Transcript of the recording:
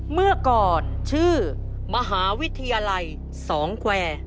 เมื่อก่อนชื่อมหาวิทยาลัยสองแควร์